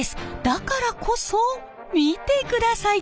だからこそ見てください